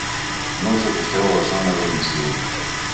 No us acosteu a la zona de l'incident.